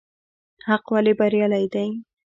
حق ولې بريالی دی؟